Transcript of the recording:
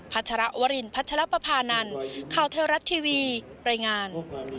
ัชรวรินพัชรปภานันข่าวเทวรัฐทีวีรายงาน